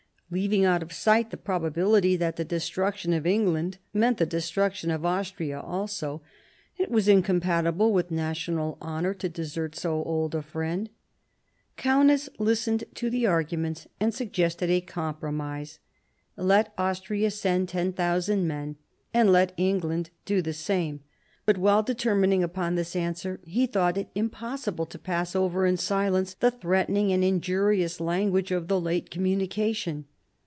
Leaving out of sight the probability that the destruc tion of England meant the destruction of Austria also, it was incompatible with national honour to desert so old a friend. Kaunitz listened to the arguments, and suggested a compromise. Let Austria send 10,000 men, and let England do the same. But while determining upon this answer, he thought it impossible to pass over in silence the threatening and injurious language of the late communication.